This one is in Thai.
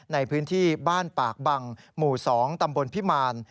ในพื้นที่บ้านปากบังหมู่๒ตำบลพิมาร